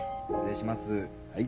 はい。